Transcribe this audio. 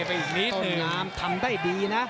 มันโดนแต่มันไม่ยุดนะ